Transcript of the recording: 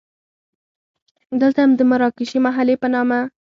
دلته د مراکشي محلې په نامه.